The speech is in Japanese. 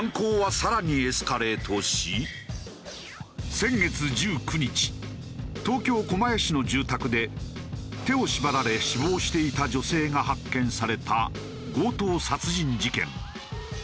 先月１９日東京狛江市の住宅で手を縛られ死亡していた女性が発見された強盗殺人事件。